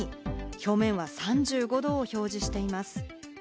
表面は３５度を表示しています。